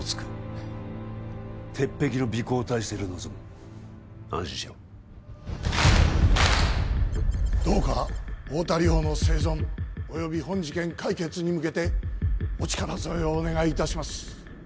はい鉄壁の尾行態勢で臨む安心しろどうか太田梨歩の生存および本事件解決に向けてお力添えをお願いいたします